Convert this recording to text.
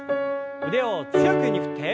腕を強く上に振って。